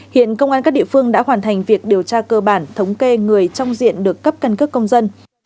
hiện công an các địa phương đã hoàn thành việc điều tra cơ bản thống kê người trong diện được cấp căn cước công dân